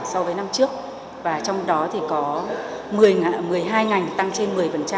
so với năm trước trong đó có một mươi hai ngành tăng trên một mươi